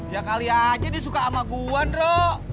ya kali aja disuka sama gue nro